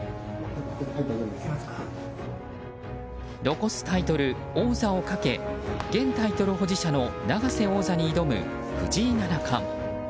残すタイトル王座をかけ現タイトル保持者の永瀬王座に挑む藤井七冠。